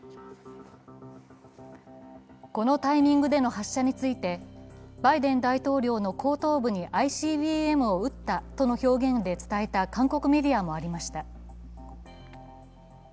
このタイミングでの発射についてバイデン大統領の後頭部にＩＣＢＭを撃ったとの表現で伝えた韓国メディアもありました。